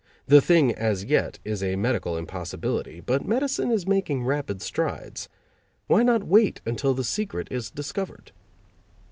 The thing, as yet, is a medical impossibility but medicine is making rapid strides. Why not wait until the secret is discovered?